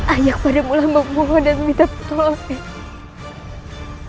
ayah kepadamu lambang mohon dan minta pertolongan